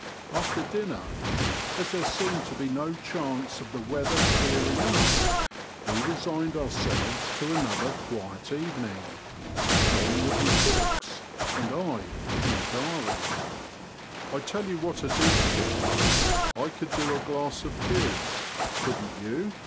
After dinner, as there seemed to be no chance of the weather clearing up, we resigned ourselves to another quiet evening — John with his books and I with my diary. Digitized by VjOOQIC WAXHAM TO PALLING. 89 *' I tell you what it is, skipper ; I could do a g;iass of • fiz '—couldn't you